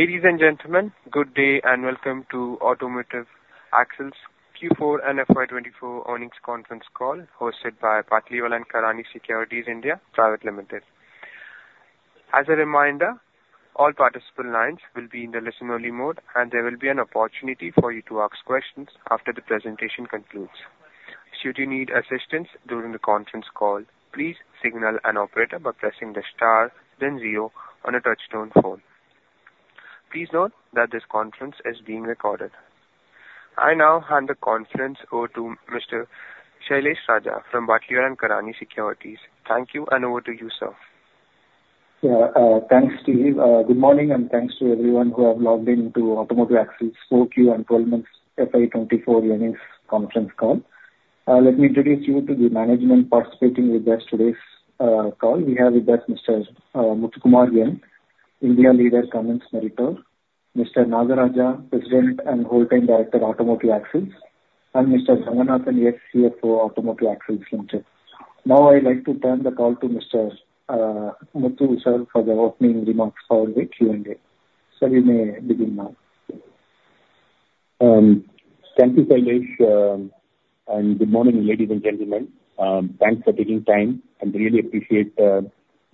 Ladies and gentlemen, good day and welcome to Automotive Axles Q4 and FY 2024 Earnings Conference Call, hosted by Batlivala & Karani Securities India Private Limited. As a reminder, all participant lines will be in the listen-only mode, and there will be an opportunity for you to ask questions after the presentation concludes. Should you need assistance during the conference call, please signal an operator by pressing the star then zero on a touchtone phone. Please note that this conference is being recorded. I now hand the conference over to Mr. Shailesh Raja from Batlivala & Karani Securities. Thank you, and over to you, sir. Yeah, thanks, Steve. Good morning, and thanks to everyone who have logged in to Automotive Axles for Q4 and 12 Months FY 2024 Earnings Conference Call. Let me introduce you to the management participating with us today’s call. We have with us Mr. Muthukumar N, India Leader, Cummins-Meritor, Mr. Nagaraja, President and Whole-time Director, Automotive Axles, and Mr. Rangarajan, CFO, Automotive Axles Limited. Now, I’d like to turn the call to Mr. Muthu, sir, for the opening remarks followed with Q&A. Sir, you may begin now. Thank you, Shailesh, and good morning, ladies and gentlemen. Thanks for taking time, and really appreciate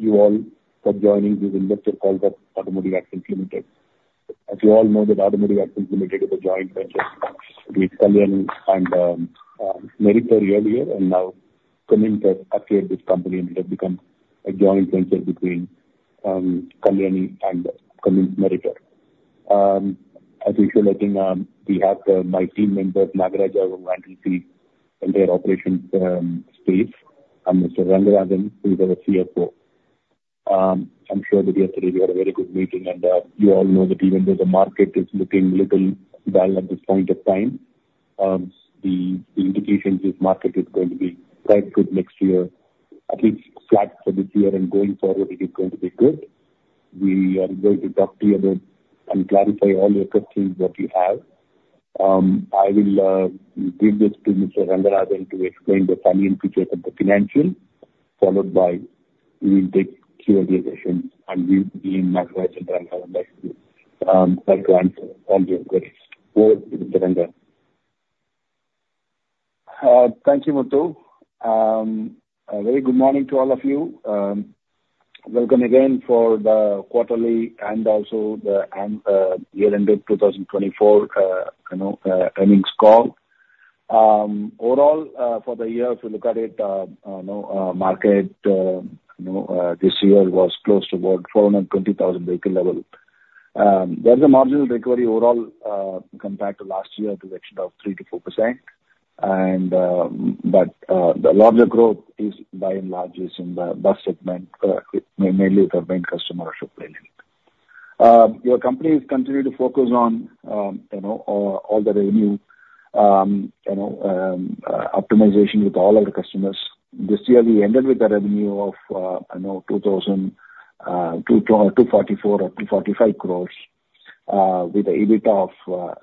you all for joining this investor call for Automotive Axles Limited. As you all know that Automotive Axles Limited is a joint venture with Kalyani and Meritor earlier, and now Cummins has acquired this company, and it has become a joint venture between Kalyani and Cummins-Meritor. As we said, I think, we have my team members, Nagaraja, who handle the entire operations space, and Mr. Rangarajan, who is our CFO. I'm sure that yesterday we had a very good meeting, and you all know that even though the market is looking little down at this point of time, the indications is market is going to be quite good next year, at least flat for this year, and going forward, it is going to be good. We are going to talk to you about, and clarify all your questions that you have. I will give this to Mr. Rangarajan to explain the financials, followed by we will take Q&A session, and we, me and Nagaraja and Rangarajan, like to answer all your queries. Over to you, Rangarajan. Thank you, Muthu. A very good morning to all of you. Welcome again for the quarterly and also the annual year-ended 2024, you know, earnings call. Overall, for the year, if you look at it, you know, market, you know, this year was close to about 420,000 vehicle level. There's a marginal recovery overall, compared to last year to the tune of 3%-4%, and, but, the larger growth is by and large is in the bus segment, mainly with our main customer, Ashok Leyland. Your company has continued to focus on, you know, all the revenue, you know, optimization with all our customers. This year, we ended with a revenue of, you know, 2,244 or 2,245 crores, with an EBIT of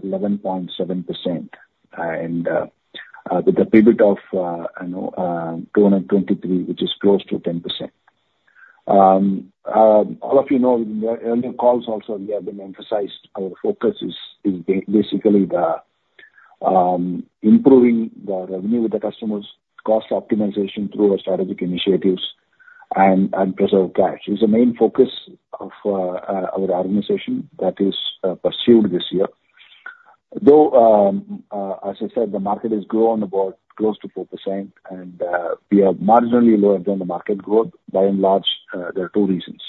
11.7% and with a PAT of, you know, 223, which is close to 10%. All of you know, in the earlier calls also, we have emphasized our focus is basically improving the revenue with the customers, cost optimization through our strategic initiatives and preserve cash. It's the main focus of our organization that is pursued this year. Though, as I said, the market has grown about close to 4% and we are marginally lower than the market growth, by and large, there are two reasons.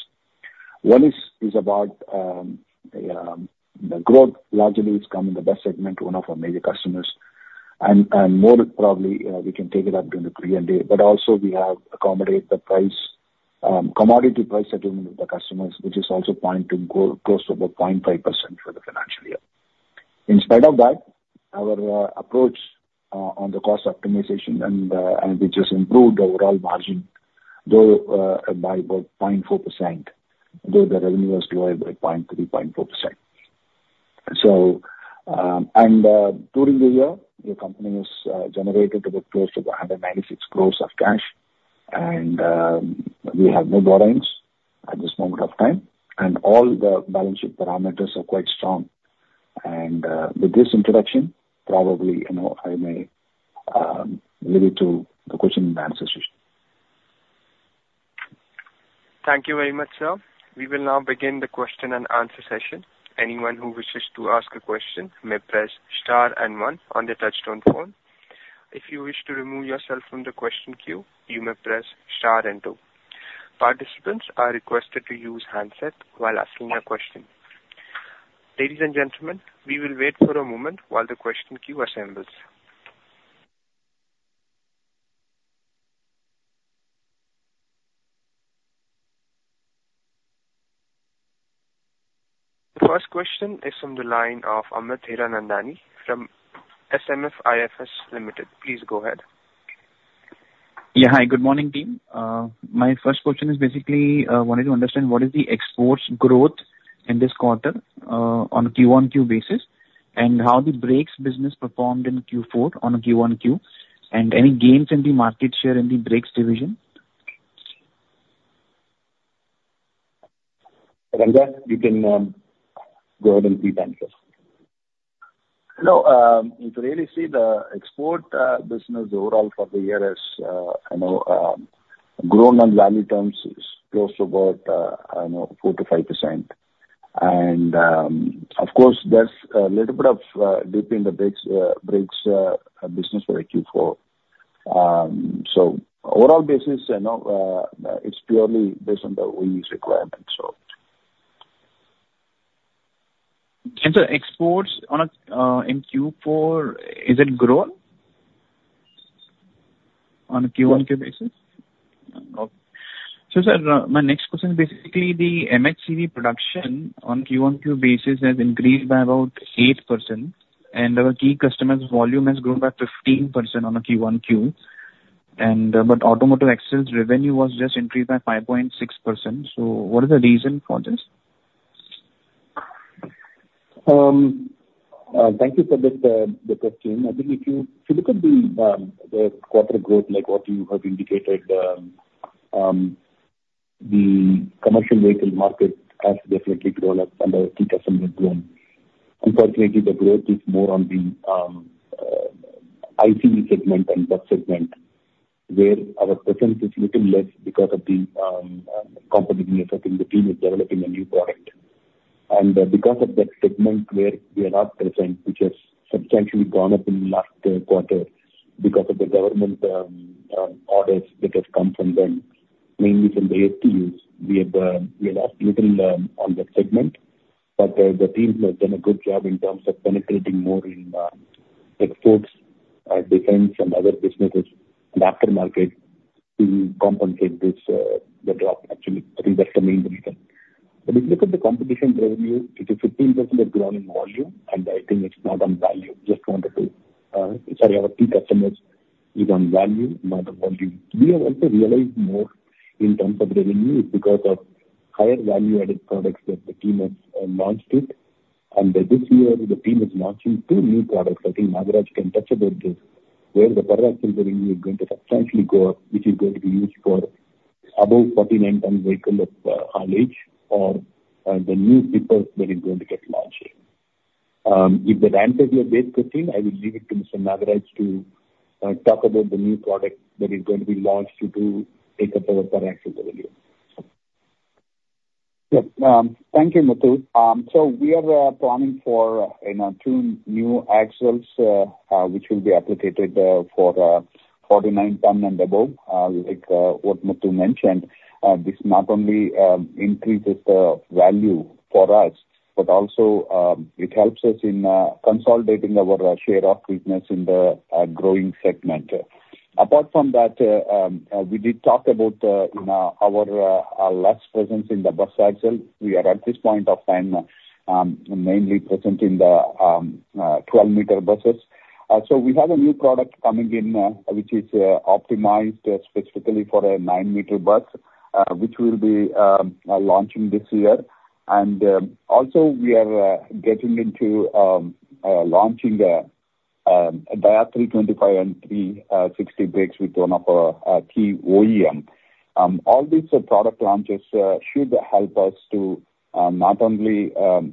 One is about the growth largely coming in the bus segment, one of our major customers, and more probably we can take it up during the Q&A. But also we have to accommodate the price commodity price adjustment with the customers, which is also pointing to close to about 0.5% for the financial year. In spite of that, our approach on the cost optimization and which has improved the overall margin, though by about 0.4%, though the revenue was lower by 0.3%-0.4%. So, during the year, the company has generated about close to 196 crores of cash, and we have no borrowings at this moment of time, and all the balance sheet parameters are quite strong. With this introduction, probably, you know, I may lead to the question and answer session. Thank you very much, sir. We will now begin the question-and-answer session. Anyone who wishes to ask a question may press star and one on the touchtone phone. If you wish to remove yourself from the question queue, you may press star and two. Participants are requested to use handset while asking their question. Ladies and gentlemen, we will wait for a moment while the question queue assembles. The first question is from the line of Amit Hiranandani from SMIFS Limited. Please go ahead. Yeah. Hi, good morning, team. My first question is basically, wanted to understand what is the exports growth in this quarter, on a QoQ basis, and how the brakes business performed in Q4 on a QoQ, and any gains in the market share in the brakes division? Ranga, you can go ahead and see then, please. Hello, if you really see the export business overall for the year has you know grown on value terms close to about I don't know 4%-5%. And of course there's a little bit of dip in the brakes brakes business for Q4. So overall business you know it's purely based on the OE's requirements, so. The exports on a, in Q4, is it grown on a QoQ basis? Yes. Okay. So, sir, my next question: basically, the MHCV production on a QoQ basis has increased by about 8%, and our key customer's volume has grown by 15% on a QoQ. And, but Automotive Axles revenue was just increased by 5.6%. So what is the reason for this? Thank you for this, the question. I think if you look at the quarter growth, like what you have indicated, the commercial vehicle market has definitely grown up, and our key customer has grown. Unfortunately, the growth is more on the ICE segment and bus segment, where our presence is little less because of the competition. I think the team is developing a new product. And because of that segment where we are not present, which has substantially gone up in last quarter because of the government orders that has come from them, mainly from the STUs, we have lost little on that segment. The teams have done a good job in terms of penetrating more in exports, defense and other businesses and aftermarket to compensate this the drop. Actually, I think that's the main reason. But if you look at the company revenue, it is 15% growth in volume, and I think it's more on value. Just want to say, so our key customers is on value, not on volume. We have also realized more in terms of revenue because of higher value-added products that the team has launched it. And by this year, the team is launching two new products. I think Nagaraj can touch about this, where the additional revenue is going to substantially go up, which is going to be used for above 49-ton vehicles for haulage or the new tippers that is going to get launched. If that answers your basic question, I will leave it to Mr. Nagaraj to talk about the new product that is going to be launched to increase our revenue. Yes. Thank you, Muthu. So we are planning for, you know, two new axles, which will be allocated for 49-ton and above. Like what Muthu mentioned, this not only increases the value for us, but also it helps us in consolidating our share of business in the growing segment. Apart from that, we did talk about, you know, our strong presence in the bus axle. We are at this point of time mainly present in the 12 m buses. So we have a new product coming in, which is optimized specifically for a nine-meter bus, which we'll be launching this year. Also, we are getting into launching a dia 325 mm and 360 mm brakes with one of our key OEM. All these product launches should help us to not only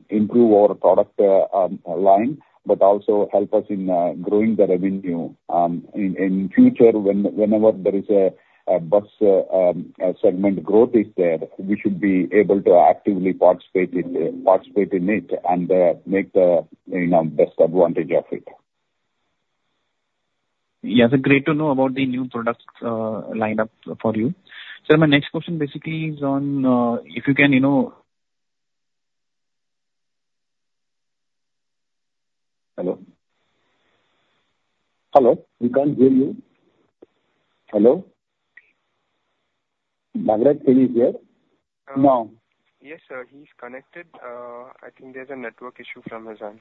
improve our product line, but also help us in growing the revenue. In future, whenever there is a bus segment growth is there, we should be able to actively participate in it and make the, you know, best advantage of it. Yeah, so great to know about the new products lined up for you. So my next question basically is on, if you can, you know- Hello? Hello, we can't hear you. Hello? Nagaraj, are you there? No. Yes, sir, he's connected. I think there's a network issue from his end.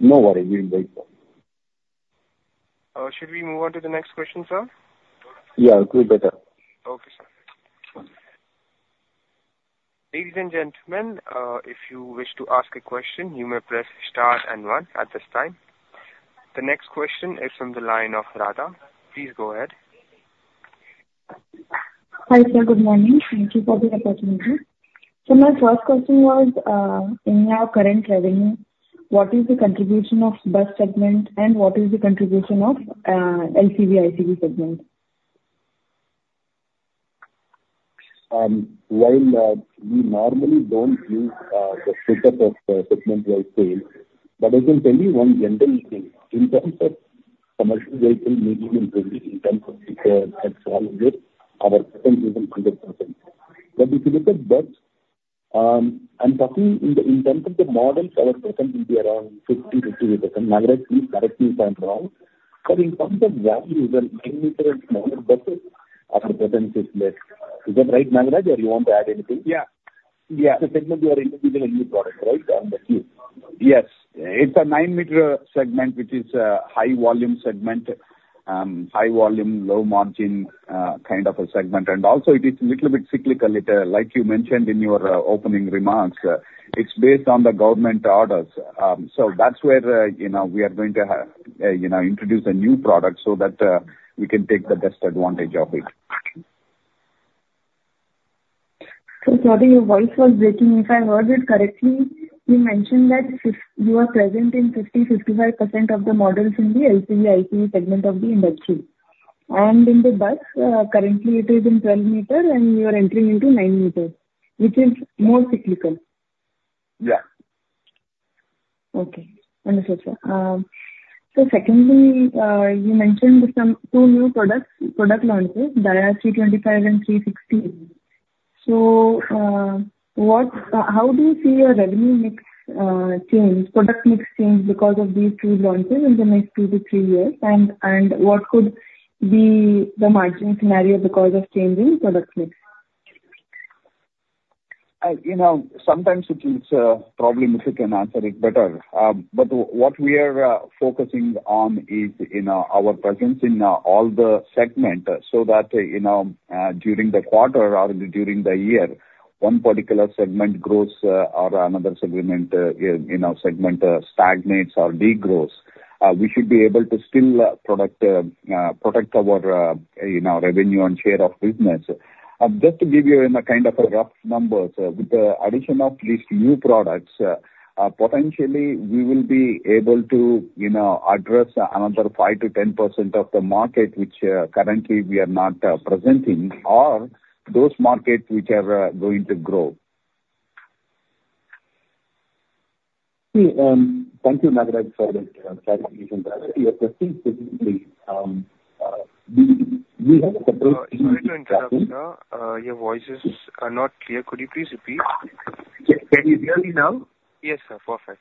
No worry. We'll wait. Should we move on to the next question, sir? Yeah, it'll be better. Okay, sir. Ladies and gentlemen, if you wish to ask a question, you may press star and one at this time. The next question is from the line of Radha. Please go ahead. Hi, sir. Good morning. Thank you for the opportunity. My first question was, in your current revenue, what is the contribution of bus segment and what is the contribution of LCV, ICV segment? While we normally don't use the split up of segment-wide sales, but I can tell you one general thing. In terms of commercial vehicle, maybe in terms of, our presence is 100%. But if you look at bus, I'm talking in the terms of the models, our presence will be around 50%-58%. Nagaraj, please correct me if I'm wrong. But in terms of values and 9 m bus, our presence is less. Is that right, Nagaraj, or you want to add anything? Yeah. Yeah. The segment we are introducing a new product, right, Nagaraj? Yes. It's a 9 m segment, which is a high-volume segment. High volume, low margin kind of a segment, and also it is little bit cyclical. It, like you mentioned in your opening remarks, it's based on the government orders. So that's where, you know, we are going to have, you know, introduce a new product so that we can take the best advantage of it. So sorry, your voice was breaking. If I heard it correctly, you mentioned that you are present in 50%-55% of the models in the LCV, ICE segment of the industry. And in the bus, currently it is in 12 m, and you are entering into 9 m, which is more cyclical? Yeah. Okay, understood, sir. So secondly, you mentioned some two new products, product launches, the dia 325 and 360. So, how do you see your revenue mix change, product mix change because of these two launches in the next two to three years? And what could be the margin scenario because of changing product mix? You know, sometimes it is probably difficult to answer it better. But what we are focusing on is, you know, our presence in all the segment, so that, you know, during the quarter or during the year, one particular segment grows, or another segment, you know, stagnates or degrows. We should be able to still protect our, you know, revenue and share of business. Just to give you in a kind of a rough numbers, with the addition of these new products, potentially we will be able to, you know, address another 5%-10% of the market, which currently we are not presenting, or those markets which are going to grow. See, thank you, Nagaraj, for the clarification. Your question, specifically, we have a couple- Sorry to interrupt, sir. Your voices are not clear. Could you please repeat? Can you hear me now? Yes, sir. Perfect.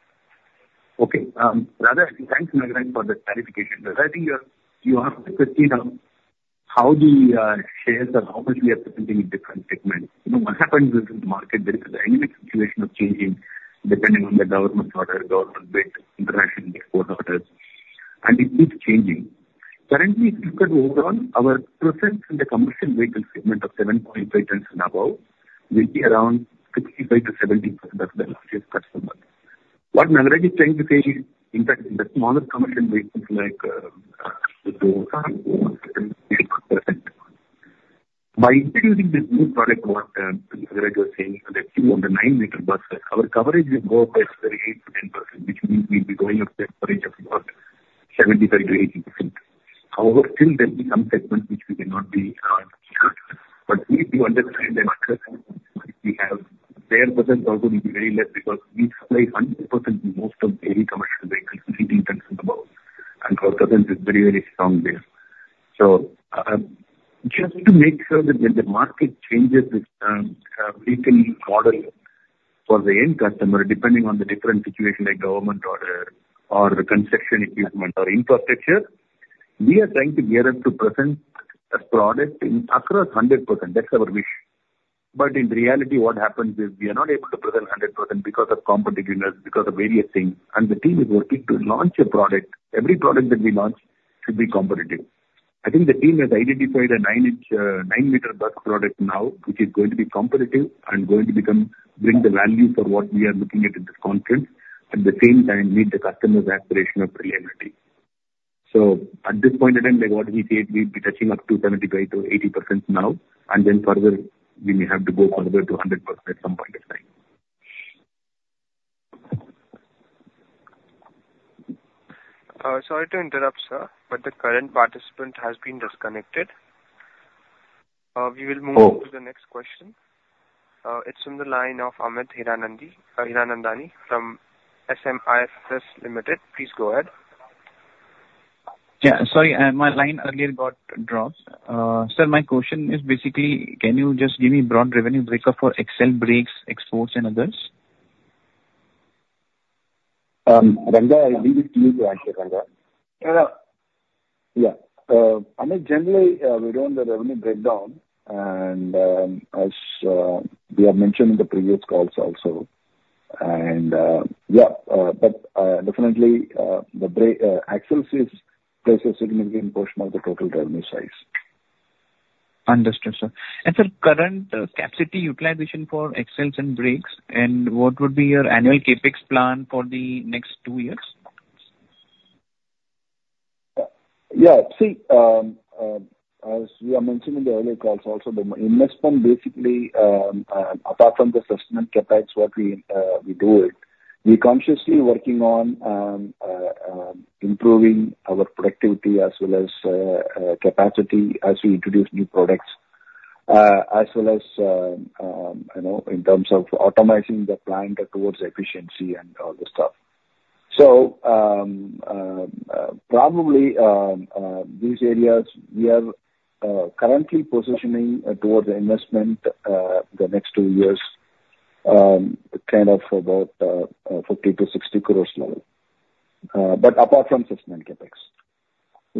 Okay. Radha, thanks, Nagaraj, for the clarification. Radha, you asked the question, how do we share the, how much we are presenting in different segments. You know, what happens is, in the market, there is an annual situation of changing, depending on the government order, government bid, international export orders, and it keeps changing. Currently, if you look at overall, our presence in the commercial vehicle segment of 7.5 tons and above will be around 65%-70% of the last year's customer. What Nagaraj is trying to say is, in fact, in the smaller commercial vehicles, like, with those, By introducing this new product, what Nagaraj was saying, that on the 9 m buses, our coverage will go up by 8%-10%, which means we'll be going up to a range of about 75%-80%. However, still there'll be some segments which we cannot be present. But we need to understand that we have, their percent is also going to be very less because we supply 100% in most of every commercial vehicle, three tons and above, and our presence is very, very strong there. So, just to make sure that when the market changes, we can model for the end customer, depending on the different situation, like government order or the construction equipment or infrastructure, we are trying to gear up to present a product in, across 100%. That's our wish. But in reality, what happens is we are not able to present 100% because of competitiveness, because of various things, and the team is working to launch a product. Every product that we launch should be competitive. I think the team has identified a 9 in, 9 m bus product now, which is going to be competitive and going to become, bring the value for what we are looking at in this conference, at the same time, meet the customer's aspiration of reliability. So at this point in time, like what we said, we'll be touching up to 75%-80% now, and then further, we may have to go further to 100% at some point in time. Sorry to interrupt, sir, but the current participant has been disconnected. We will move- Oh. -to the next question. It's on the line of Amit Hiranandani from SMIFS Limited. Please go ahead. Yeah, sorry, my line earlier got dropped. Sir, my question is basically, can you just give me broad revenue breakup for axle, brakes, exports, and others? Ranga, I leave it to you to answer, Ranga. Yeah. Yeah. I mean, generally, we don't have the revenue breakdown, and, as we have mentioned in the previous calls also, and, yeah, but, definitely, the axles plays a significant portion of the total revenue size. Understood, sir. Sir, current capacity utilization for axles and brakes, and what would be your annual CapEx plan for the next two years? Yeah, see, as we have mentioned in the earlier calls also, the investment basically, apart from the system CapEx, what we do, we're consciously working on improving our productivity as well as capacity as we introduce new products, as well as, you know, in terms of automating the plant towards efficiency and all the stuff. So, probably, these areas we are currently positioning towards the investment, the next two years, kind of about 50-60 crores level, but apart from system CapEx.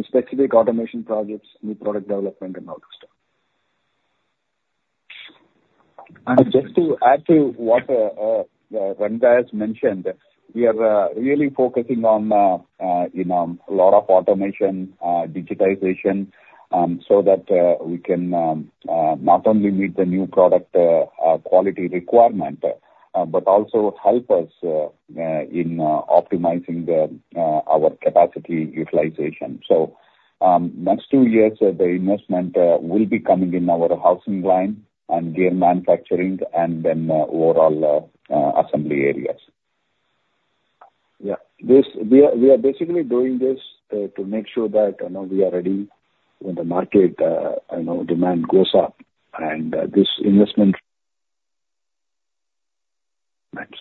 Specific automation projects, new product development, and all that stuff. Understood. Just to add to what Ranga has mentioned, we are really focusing on, you know, a lot of automation, digitization, so that we can not only meet the new product quality requirement, but also help us in optimizing our capacity utilization. Next two years, the investment will be coming in our housing line and gear manufacturing, and then overall assembly areas. Yeah. This, we are basically doing this to make sure that, you know, we are ready when the market, you know, demand goes up, and this investment- Thanks.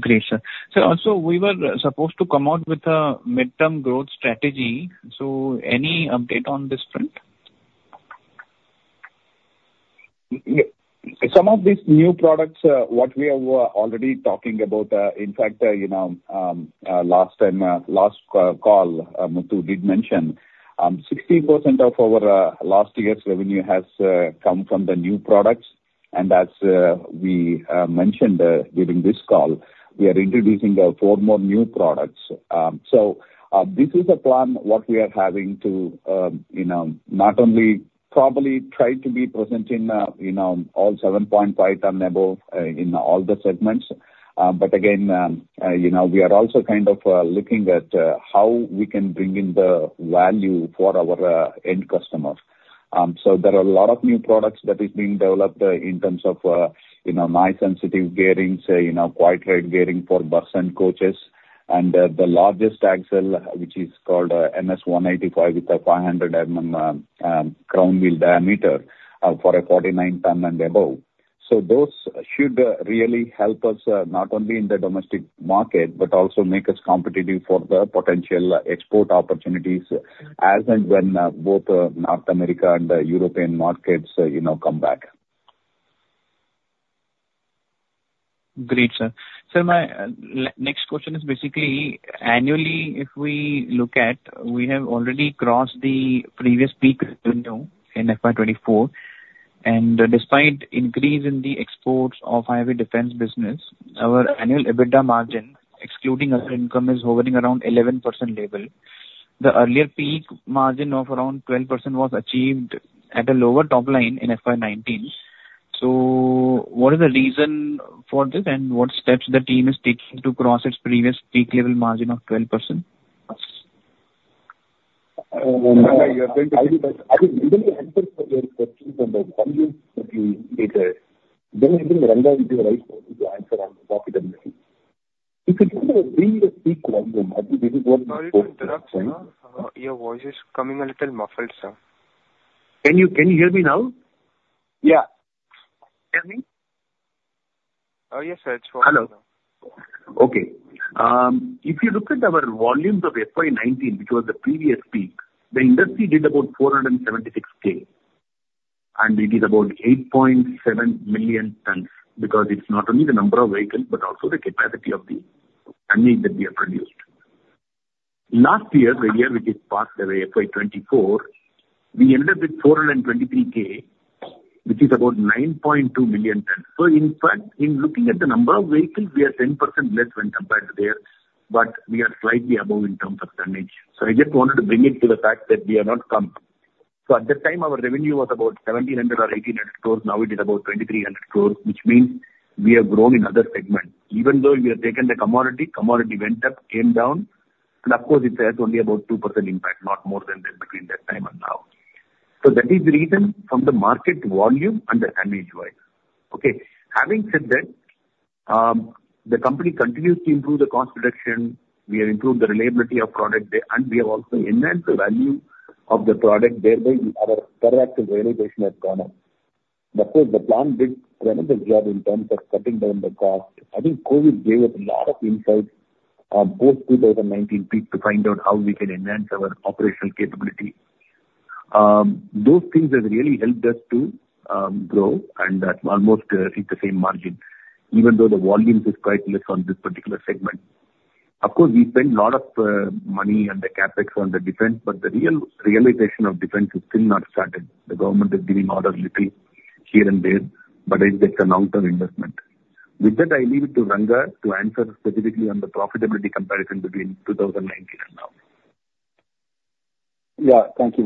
Great, sir. So also, we were supposed to come out with a midterm growth strategy, so any update on this front? Yeah. Some of these new products, what we are already talking about, in fact, you know, last time, last call, Muthu did mention, 16% of our last year's revenue has come from the new products. And as we mentioned, during this call, we are introducing four more new products. So, this is a plan what we are having to, you know, not only probably try to be present in, you know, all 7.5 and above, in all the segments, but again, you know, we are also kind of looking at how we can bring in the value for our end customers. So there are a lot of new products that is being developed, in terms of, you know, noise-sensitive gearing, say, you know, Quiet Ride Gearing for bus and coaches, and, the largest axle, which is called, MS185, with a 500, crown wheel diameter, for a 49-ton and above. So those should, really help us, not only in the domestic market, but also make us competitive for the potential export opportunities as and when, both, North America and the European markets, you know, come back. Great, sir. Sir, my next question is basically, annually, if we look at, we have already crossed the previous peak window in FY 2024, and despite increase in the exports of heavy defense business, our annual EBITDA margin, excluding other income, is hovering around 11% level. The earlier peak margin of around 12% was achieved at a lower top line in FY19. So what is the reason for this, and what steps the team is taking to cross its previous peak level margin of 12%? I will answer your question on the volume later. Then I think Ranga is the right person to answer on the profitability. If you look at the previous peak volume- Sorry to interrupt, sir. Your voice is coming a little muffled, sir. Can you, can you hear me now? Yeah. Hear me? Yes, sir. It's working. Hello. Okay. If you look at our volumes of FY 2019, which was the previous peak, the industry did about 476K, and we did about 8.7 million tons, because it's not only the number of vehicles, but also the capacity of the tonnage that we have produced. Last year, the year which is passed away, FY 2024, we ended with 423K, which is about 9.2 million tons. So in fact, in looking at the number of vehicles, we are 10% less when compared to there, but we are slightly above in terms of tonnage. So I just wanted to bring it to the fact that we have not come. So at that time, our revenue was about 1,700 crores or 1,800 crores. Now, it is about 2,300 crore, which means we have grown in other segments. Even though we have taken the commodity, commodity went up, came down, and of course, it has only about 2% impact, not more than that between that time and now. So that is the reason from the market volume and the tonnage-wise. Okay, having said that, the company continues to improve the cost reduction. We have improved the reliability of product, and we have also enhanced the value of the product, whereby our per axle realization has gone up. But of course, the plan did a wonderful job in terms of cutting down the cost. I think COVID gave us a lot of insights, post 2019 peak, to find out how we can enhance our operational capability. Those things have really helped us to grow and almost reach the same margin, even though the volumes is quite less on this particular segment. Of course, we spend a lot of money on the CapEx on the defense, but the real realization of defense has still not started. The government is giving orders little here and there, but it's just a long-term investment. With that, I leave it to Ranga to answer specifically on the profitability comparison between 2019 and now. Yeah. Thank you,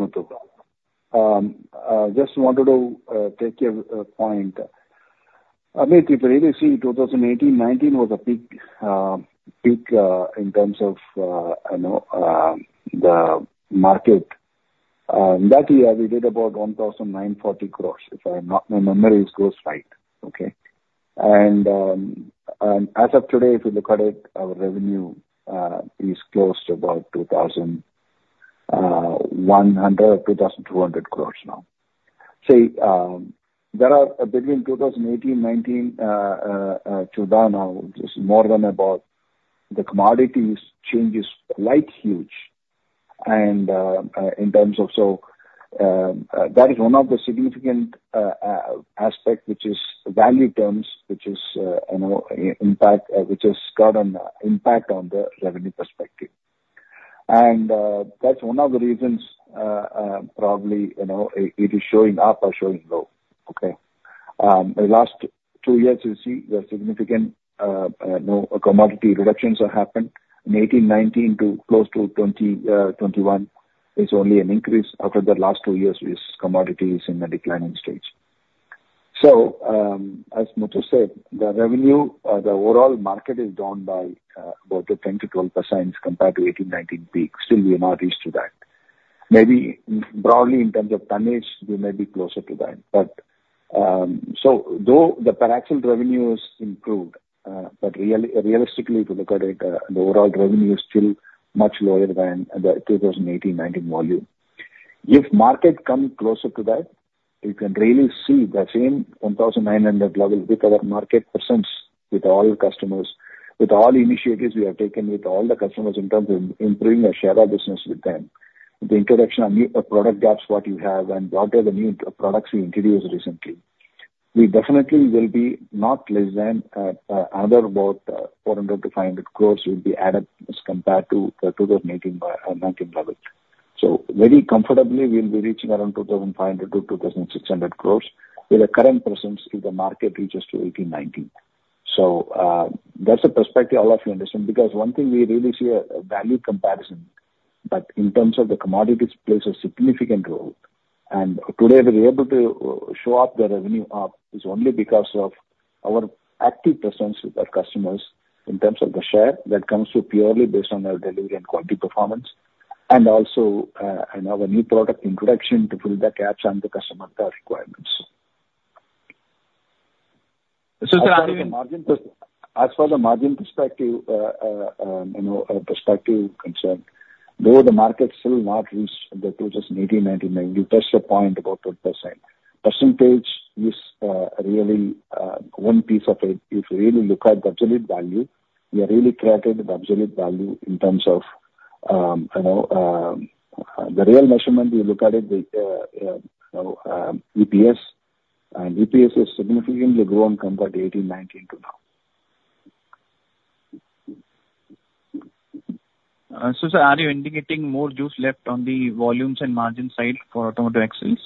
Muthu. I just wanted to take a point. I mean, if you really see, 2018-2019 was a peak, peak in terms of you know the market. That year, we did about 1,940 crores, if my memory serves right, okay? As of today, if you look at it, our revenue is close to about 2,100-2,200 crore now. So, there are between 2018, 2019 to now, which is more than about the commodities change is quite huge and in terms of... So, that is one of the significant aspect, which is value terms, which is, you know, impact, which has got an impact on the revenue perspective. And, that's one of the reasons, probably, you know, it, it is showing up or showing low. Okay? The last two years, you see, there are significant, you know, commodity reductions have happened. In 2018, 2019 to close to 2020, 2021, it's only an increase. After the last two years, this commodity is in the declining stage. So, as Muthu said, the revenue or the overall market is down by about 10%-12% compared to 2018, 2019 peak. Still, we have not reached to that. Maybe broadly in terms of tonnage, we may be closer to that. But, so though the per axle revenue is improved, but really, realistically, to look at it, the overall revenue is still much lower than the 2018, 2019 volume. If market come closer to that, you can really see the same 1,900 level with our market presence, with all customers, with all initiatives we have taken, with all the customers in terms of improving the share our business with them. The introduction of new product gaps what you have and whatever new products we introduced recently, we definitely will be not less than another about 400-500 crores will be added as compared to the 2018, 2019 level. So very comfortably, we'll be reaching around 2,500-2,600 crores with the current presence if the market reaches to 18, 19. So, that's a perspective all of you understand, because one thing we really see a value comparison, but in terms of the commodities plays a significant role. Today we're able to show off the revenue up is only because of our active presence with our customers in terms of the share that comes through purely based on our delivery and quality performance, and also, and our new product introduction to fill the gaps on the customer requirements. So, sir- As for the margin perspective, you know, perspective concerned, though the market still not reached the 2018, 2019 level, you touched the point about 12%. Percentage is really one piece of it. If you really look at the absolute value, we are really created the absolute value in terms of, you know, the real measurement, we look at it with, you know, EPS, and EPS has significantly grown compared to 2018, 2019 to now. So, sir, are you indicating more juice left on the volumes and margin side for Automotive Axles?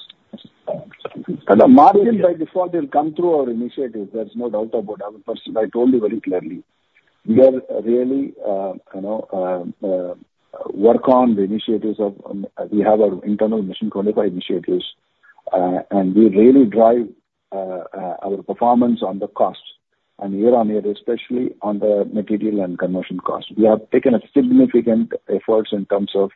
Hello. Margin by default will come through our initiatives. There's no doubt about our percent. I told you very clearly, we are really, you know, work on the initiatives of, we have our internal Mission 25 initiatives, and we really drive, our performance on the costs, and year on year, especially on the material and conversion costs. We have taken a significant efforts in terms of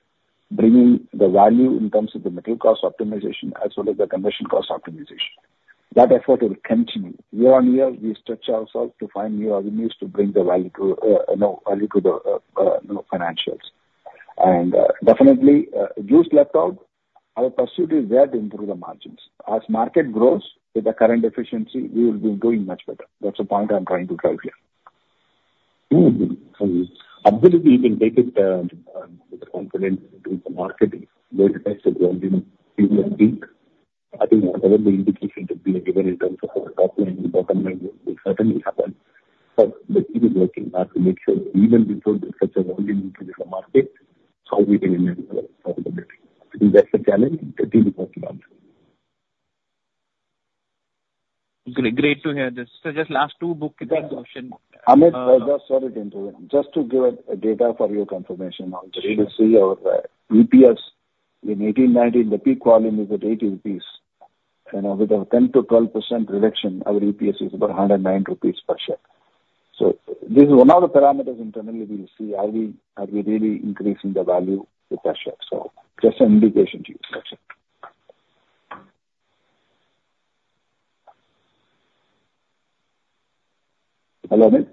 bringing the value, in terms of the material cost optimization, as well as the conversion cost optimization. That effort will continue. Year on year, we stretch ourselves to find new avenues to bring the value to, you know, value to the, you know, financials. And, definitely, juice left out, our pursuit is there to improve the margins. As market grows with the current efficiency, we will be doing much better. That's the point I'm trying to drive here. Mm-hmm. And ability, we can take it, with confidence into the market, where it has to go in, you would think. I think whatever the indication to be given in terms of our top line and bottom line will certainly happen. But the team is working hard to make sure even before there's such a volume into the market, how we can manage our profitability. I think that's the challenge the team is working on. Great, great to hear this. So just last two book- Amit, just, sorry to interrupt. Just to give a data for your confirmation, to see our EPS in 2018, 2019, the peak volume is at 80 rupees. You know, with a 10%-12% reduction, our EPS is about 109 rupees per share. So this is one of the parameters internally we see, are we, are we really increasing the value per share? So just an indication to you. That's it. Hello, Amit?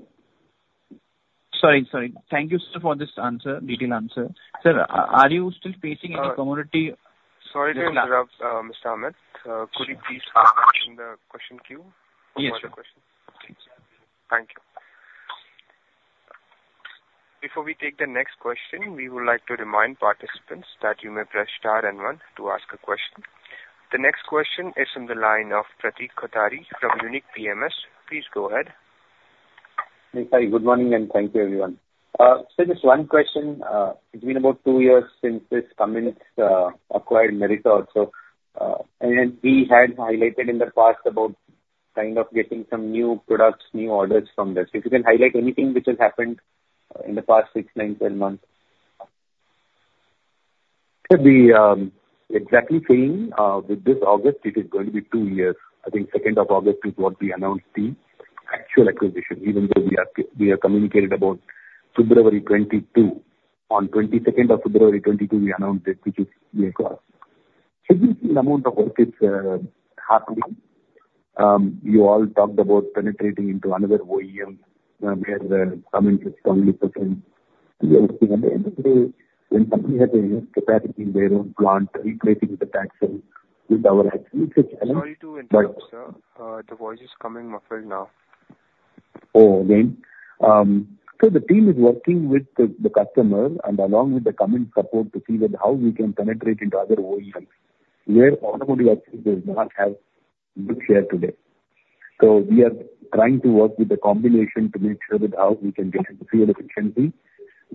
Sorry, sorry. Thank you, sir, for this answer, detailed answer. Sir, are you still facing any commodity- Sorry to interrupt, Mr. Amit. Could you please stay in the question queue- Yes, sir. For further questions? Thank you. Before we take the next question, we would like to remind participants that you may press star and one to ask a question. The next question is in the line of Pratik Kothari from Unique PMS. Please go ahead. Hi, good morning, and thank you, everyone. So just one question. It's been about two years since Cummins acquired Meritor also. And we had highlighted in the past about kind of getting some new products, new orders from this. If you can highlight anything which has happened in the past six, nine, 10 months. So, exactly, with this August, it is going to be two years. I think 2nd of August is what we announced the actual acquisition, even though we have communicated about February 2022. On 22nd of February 2022, we announced it, which is a year plus. A good amount of work is happening. You all talked about penetrating into another OEM, where Cummins is strongly present. And at the end of the day, when company has a capacity in their own plant, recreating the traction with our- Sorry to interrupt, sir. The voice is coming muffled now. Oh, again? So the team is working with the customer and along with the Cummins support to see that how we can penetrate into other OEMs, where Automotive actually does not have good share today. So we are trying to work with the combination to make sure that how we can get into fuel efficiency.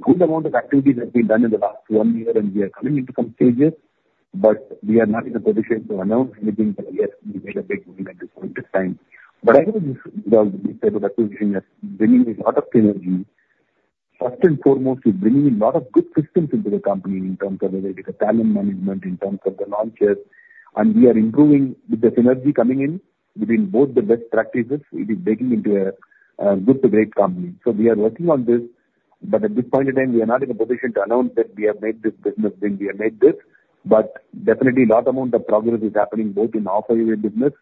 Good amount of activities have been done in the last one year, and we are coming into some stages, but we are not in a position to announce anything, but yes, we made a big move at this point of time. But I think this acquisition has bringing a lot of synergy. First and foremost, we're bringing in a lot of good systems into the company in terms of the talent management, in terms of the launches, and we are improving with the synergy coming in between both the best practices, it is breaking into a good to great company. So we are working on this, but at this point in time, we are not in a position to announce that we have made this business, then we have made this. But definitely, a lot amount of progress is happening both in the off-highway business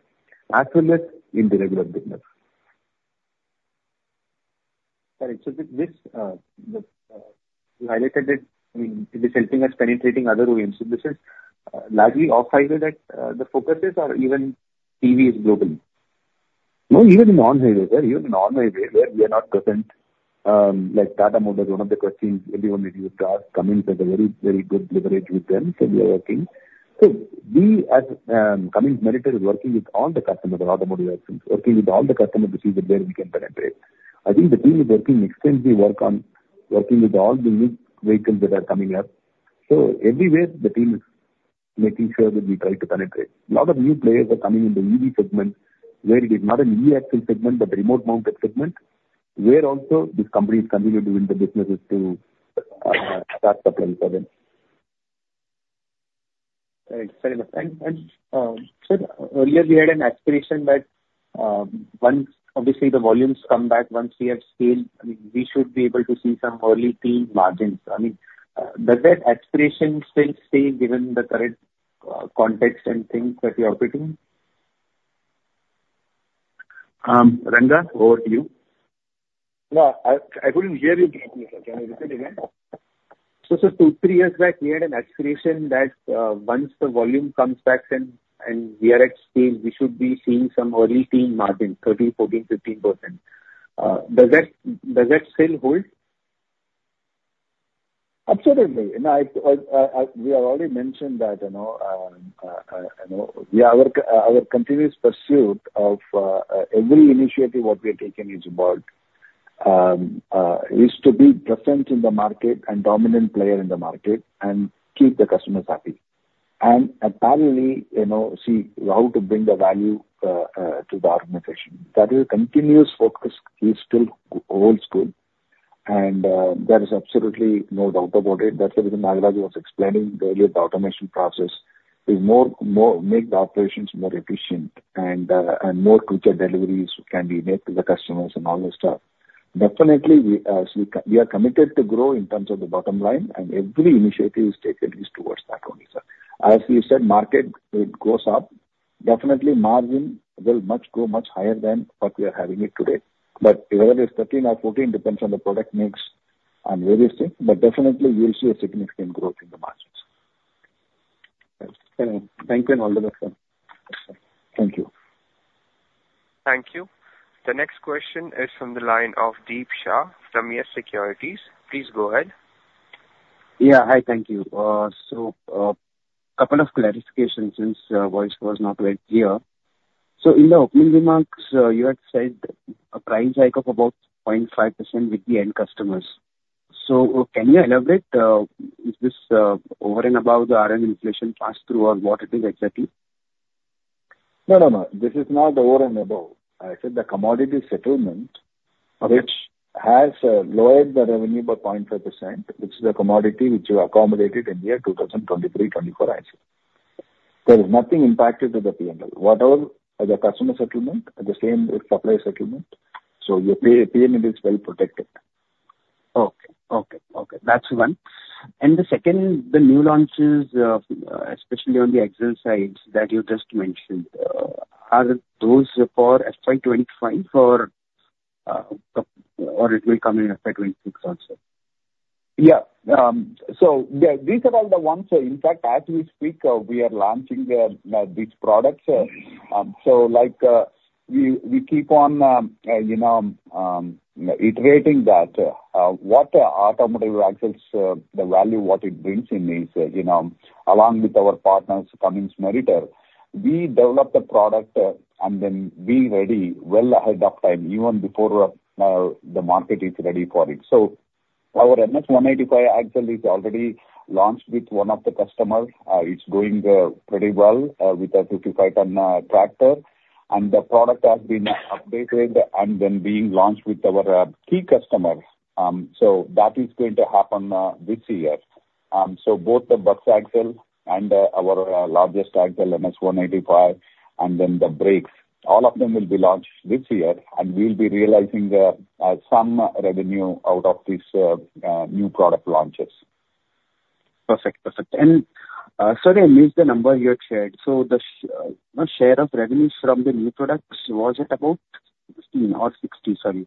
as well as in the regular business. Sorry, so this, you highlighted it, I mean, it is helping us penetrating other OEMs. So this is largely off-highway that the focus is or even TV is globally? No, even in on-highway, sir. Even in on-highway, where we are not present, like that amount is one of the questions everyone is used to ask. Cummins has a very, very good leverage with them, so we are working. So we as, Cummins-Meritor is working with all the customers, automotive, working with all the customers to see where we can penetrate. I think the team is working extensively, work on working with all the new vehicles that are coming up. So everywhere the team is making sure that we try to penetrate. A lot of new players are coming in the EV segment, where it is not an e-axle segment, but remote mounted segment, where also these companies continue to win the businesses to, start supplying for them. Right. Very much. Sir, earlier we had an aspiration that, once obviously the volumes come back, once we have scaled, I mean, we should be able to see some EBIT margins. I mean, does that aspiration still stay given the current context and things that you are putting? Ranga, over to you. No, I couldn't hear you clearly, sir. Can you repeat again? So, two, three years back, we had an aspiration that, once the volume comes back and we are at scale, we should be seeing some EBIT margin, 13%-15%. Does that still hold? Absolutely. And I we have already mentioned that, you know, you know, our continuous pursuit of every initiative what we are taking is about is to be present in the market and dominant player in the market and keep the customers happy. And apparently, you know, see how to bring the value to the organization. That is a continuous focus, it still holds good, and there is absolutely no doubt about it. That's the reason Nagaraj was explaining earlier, the automation process is more make the operations more efficient and and more quicker deliveries can be made to the customers and all that stuff. Definitely, we we are committed to grow in terms of the bottom line, and every initiative is taken is towards that only, sir. As you said, market, it goes up, definitely margin will much go much higher than what we are having it today, but whether it's 13 or 14 depends on the product mix and various things, but definitely we will see a significant growth in the margins. Thanks. Thank you and all the best, sir. Thank you. Thank you. The next question is from the line of Deep Shah from YES Securities. Please go ahead. Yeah. Hi, thank you. So, couple of clarifications since voice was not very clear. So in the opening remarks, you had said a price hike of about 0.5% with the end customers. So can you elaborate, is this over and above the RM inflation pass-through or what it is exactly? No, no, no, this is not over and above. I said the commodity settlement- Okay. Which has lowered the revenue by 0.5%, which is a commodity which you accommodated in the year 2023, 2024 actually. There is nothing impacted to the P&L. Whatever the customer settlement, the same with supplier settlement, so your pay, P&L is well protected. Okay. Okay, okay, that's one. And the second, the new launches, especially on the axle sides that you just mentioned, are those for FY 2025 or, or it will come in FY 2026 also? Yeah. So yeah, these are all the ones. In fact, as we speak, we are launching these products. So like, we keep on, you know, iterating that what Automotive Axles, the value what it brings in is, you know, along with our partners, Cummins-Meritor, we develop the product and then be ready well ahead of time, even before the market is ready for it. So our MS185 axle is already launched with one of the customers. It's going pretty well with a 55-ton tractor, and the product has been updated and then being launched with our key customers. So that is going to happen this year. Both the bus axle and our largest axle, MS185, and then the brakes, all of them will be launched this year, and we'll be realizing some revenue out of these new product launches. Perfect. Perfect. And, sir, I missed the number you had shared. So the share of revenues from the new products, was it about 16 or 60? Sorry,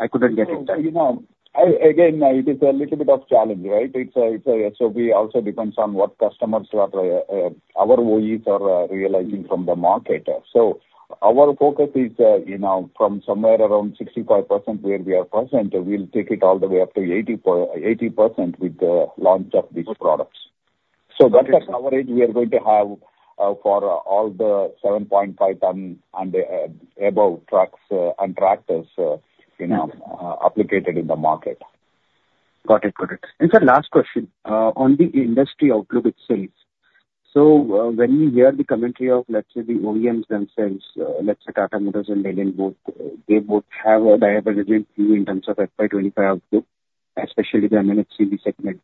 I couldn't get it. You know, I again, it is a little bit of challenge, right? It's a, it's a, so we also depends on what customers are, our OEs are, realizing from the market. So our focus is, you know, from somewhere around 65% where we are present, we'll take it all the way up to 80%-80% with the launch of these products. So that coverage we are going to have, for all the 7.5-ton and above trucks, and tractors, you know, applicable in the market. Got it. Got it. And sir, last question, on the industry outlook itself. So, when we hear the commentary of, let's say, the OEMs themselves, let's say Tata Motors and Ashok Leyland both, they both have a divergent view in terms of FY 2025 output, especially the MHCV segment.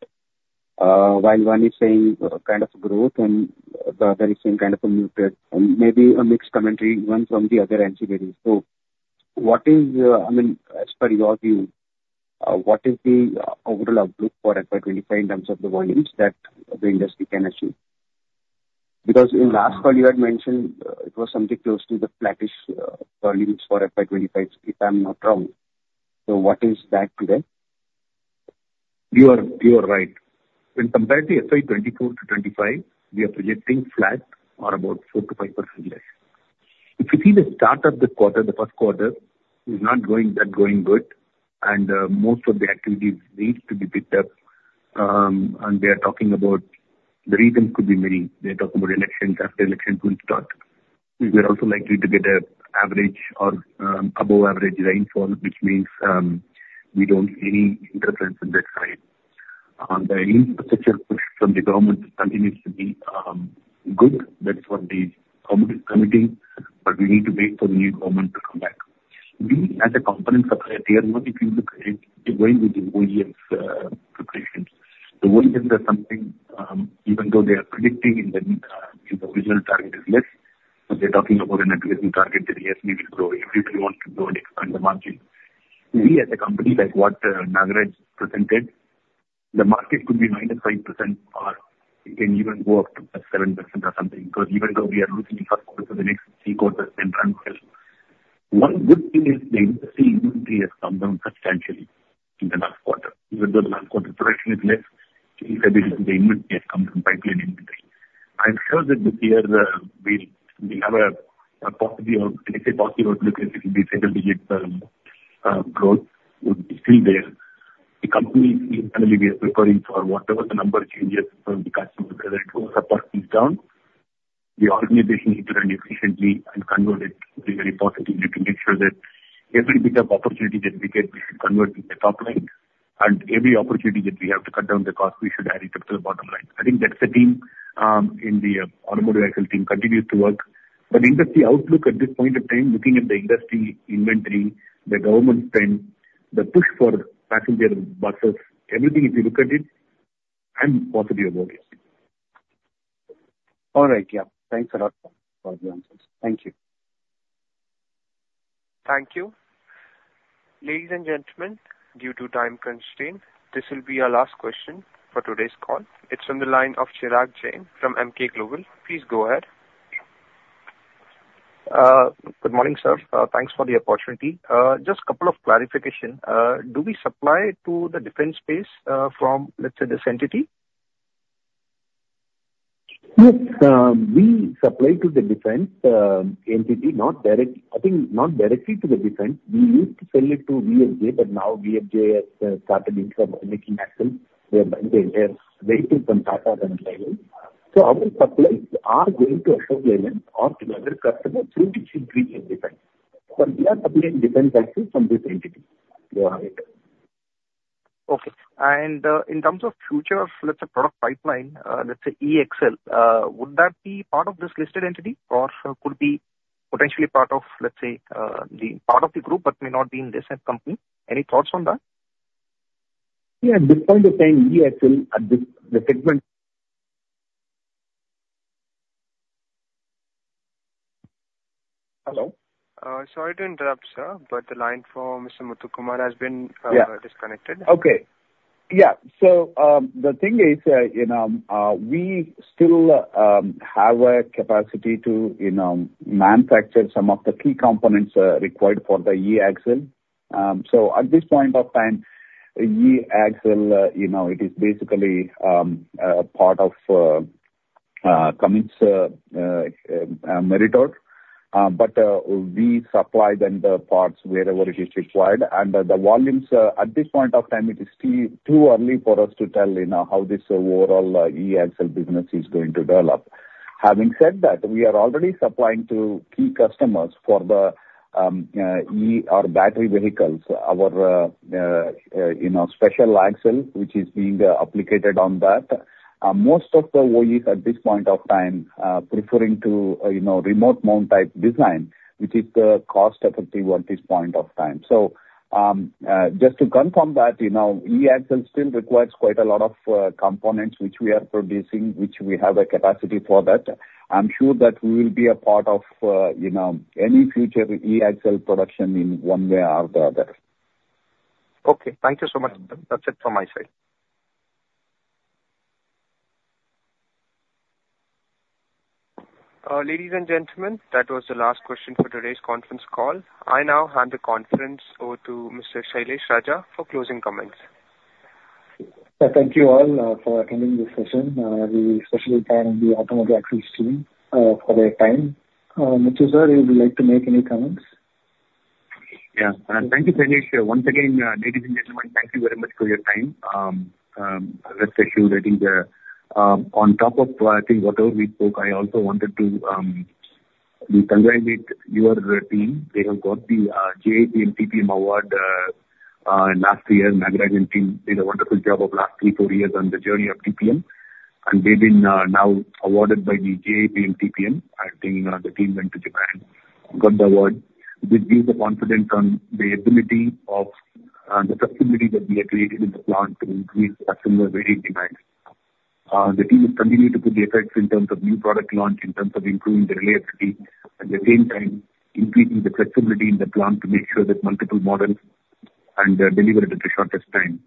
While one is saying, kind of growth, and the other is saying kind of a muted and maybe a mixed commentary, one from the other engineering. So what is, I mean, as per your view, what is the overall outlook for FY 2025 in terms of the volumes that the industry can achieve? Because in last call you had mentioned, it was something close to the flattish, volumes for FY 2025, if I'm not wrong. So what is that today? You are right. When compared to FY 2024 to 2025, we are projecting flat or about 4%-5% less. If you see the start of this quarter, the first quarter, is not going that good, and most of the activities needs to be picked up. And we are talking about the reasons could be many. We are talking about elections, after election good start. We are also likely to get a average or above average rainfall, which means we don't see any interference on that side. The infrastructure push from the government continues to be good. That's what the government is committing, but we need to wait for the new government to come back. We, as a component supplier, tier one, if you look at it, we're going with the OEMs preparations. The OEMs are something, even though they are predicting in the, in the original target is less, but they're talking about a net present target that, yes, we will grow if we want to grow and expand the margin. We as a company, like what Nagaraj presented, the market could be -5%, or it can even go up to +7% or something, because even though we are losing the first quarter, so the next three quarters then ramp up. One good thing is the industry inventory has come down substantially in the last quarter. Even though the last quarter production is less, he said this, the inventory has come from pipeline inventory. I'm sure that this year, we have a possibility of, let's say, positive outlook, it will be single digits, growth would be still there. The company internally we are preparing for whatever the number changes from the customer, whether it goes up or comes down, the organization needs to run efficiently and convert it very positively to make sure that every bit of opportunity that we get, we should convert into the top line. Every opportunity that we have to cut down the cost, we should add it to the bottom line. I think that's the team in the Automotive Axles team continues to work. Industry outlook at this point in time, looking at the industry inventory, the government spend, the push for passenger buses, everything, if you look at it, I'm positive about it. All right. Yeah. Thanks a lot for the answers. Thank you. Thank you. Ladies and gentlemen, due to time constraint, this will be our last question for today's call. It's on the line of Chirag Jain from Emkay Global. Please go ahead. Good morning, sir. Thanks for the opportunity. Just couple of clarification. Do we supply to the defense space, from, let's say, this entity? Yes, we supply to the defense entity, not directly to the defense. I think, not directly to the defense. We used to sell it to VFJ, but now VFJ has started into making axle. They are buying, they are waiting from Tata and Ashok Leyland. So our suppliers are going to assemble them or to other customers through the defense. But we are supplying defense actually from this entity. Go ahead. Okay. In terms of future, let's say, product pipeline, let's say, e-axle, would that be part of this listed entity or could be potentially part of, let's say, the part of the group, but may not be in this company? Any thoughts on that? Yeah, at this point in time, e-axle, at this, the segment... Hello? Sorry to interrupt, sir, but the line for Mr. Muthukumar has been, Yeah. - disconnected. Okay. Yeah. So, the thing is, you know, we still have a capacity to, you know, manufacture some of the key components required for the e-axle. So at this point of time, e-axle, you know, it is basically a part of Cummins-Meritor, but we supply then the parts wherever it is required. And the volumes at this point of time, it is still too early for us to tell, you know, how this overall e-axle business is going to develop. Having said that, we are already supplying to key customers for the EV or battery vehicles. Our, you know, special axle, which is being applied on that. Most of the OEMs at this point of time, preferring to, you know, remote mount type design, which is, cost effective at this point of time. So, just to confirm that, you know, e-axle still requires quite a lot of, components which we are producing, which we have a capacity for that. I'm sure that we will be a part of, you know, any future e-axle production in one way or the other. Okay, thank you so much. That's it from my side. Ladies and gentlemen, that was the last question for today's conference call. I now hand the conference over to Mr. Shailesh Raja, for closing comments. Thank you all for attending this session. We especially thank the Automotive Axles team for their time. Muthu, sir, would you like to make any comments? Yeah. Thank you, Shailesh. Once again, ladies and gentlemen, thank you very much for your time. Let's assume that is on top of, I think whatever we spoke, I also wanted to we congratulate your team. They have got the JIPM and TPM award last year. Nagaraj and team did a wonderful job of last three, four years on the journey of TPM, and they've been now awarded by the JIPM and TPM. I think the team went to Japan, got the award. This gives the confidence on the ability of the flexibility that we have created in the plant to increase customer varying demands. The team is continuing to put the efforts in terms of new product launch, in terms of improving the reliability, at the same time increasing the flexibility in the plant to make sure that multiple models and deliver it at the shortest time.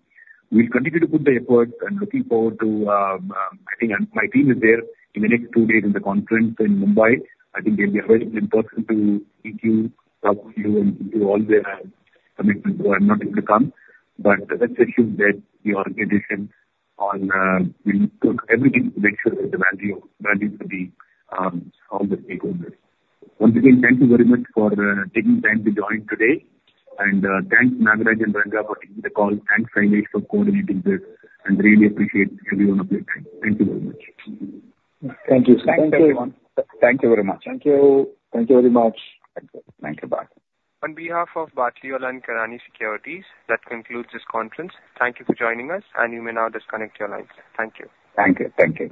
We'll continue to put the effort and looking forward to, my team is there in the next two days in the conference in Mumbai. I think it'll be a very good person to meet you, talk to you, and give you all their commitment for what is to come. But let's assume that the organization on will took everything to make sure that the value, value to be on the table. Once again, thank you very much for taking time to join today. Thanks Nagaraja and Rangarajan for taking the call. Thanks, Shailesh, for coordinating this, and really appreciate everyone of you. Thank you very much. Thank you, sir. Thank you. Thank you very much. Thank you. Thank you very much. Thank you. Bye. On behalf of Batlivala & Karani Securities, that concludes this conference. Thank you for joining us, and you may now disconnect your lines. Thank you. Thank you. Thank you.